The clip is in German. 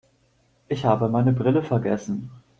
Ich habe meine Brille vergessen.